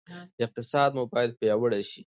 اقتصاد مو باید پیاوړی شي.